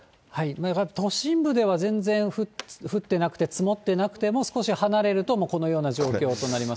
都心部では全然降ってなくて、積もってなくても、少し離れると、もうこのような状況となります。